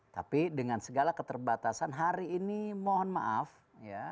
tapi dengan segala keterbatasan hari ini mohon maaf ya